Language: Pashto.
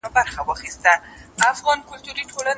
توري شپې لا ګوري په سهار اعتبار مه کوه